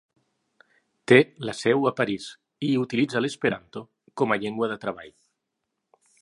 Té la seu a París i utilitza l'esperanto com a llengua de treball.